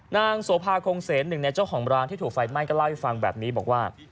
นางโสภาคงเซนหนึ่งในเจ้าของร้านที่ถูกไฟไหม้ก็เล่าให้ฟังแบบนี้บอกว่า